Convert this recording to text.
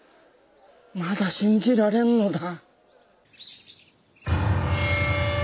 まだ信じられんのだ。